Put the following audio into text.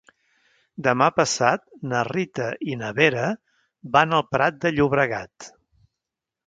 Demà passat na Rita i na Vera van al Prat de Llobregat.